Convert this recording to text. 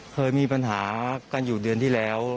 เคยมีปัญหากันอยู่เดือนที่แล้ว